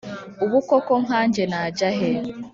ubu koko nkange najya he